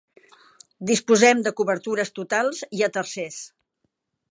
Disposem de cobertures totals i a tercers.